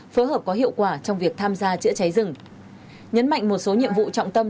phối hợp có hiệu quả trong việc tham gia chữa cháy rừng nhấn mạnh một số nhiệm vụ trọng tâm